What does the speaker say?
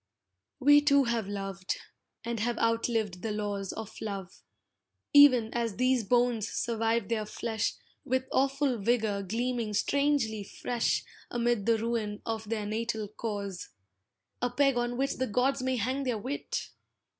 We two have loved, and have outlived the laws Of love, e'en as these bones survive their flesh With awful vigour gleaming strangely fresh Amid the ruin of their natal cause, A peg on which the gods may hang their wit!